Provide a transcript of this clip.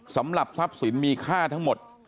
สำหรับทรัพย์สินมีค่าทั้งหมด